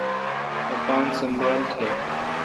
اپان سنبھال تھ۔